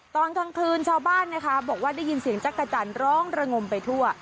ตอนกลางคืนชาวบ้านนะคะบอกว่าได้ยินเสียงจักรจันทร์ร้องระงมไปทั่ว